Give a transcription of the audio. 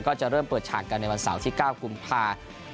ก็จะเริ่มเปิดฉากกันในวันเสาร์ที่๙กุมภา